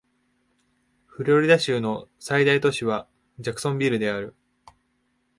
フロリダ州の最大都市はジャクソンビルである